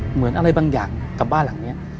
เหมือนอะไรบางอย่างกับบ้านหลังนี้